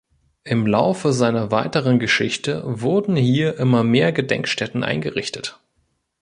Im Laufe seiner weiteren Geschichte wurden hier immer mehr Gedenkstätten eingerichtet.